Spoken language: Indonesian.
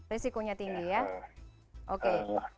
risikonya tinggi ya oke